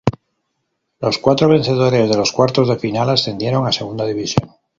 Los cuatro vencedores de los cuartos de final ascendieron a Segunda División.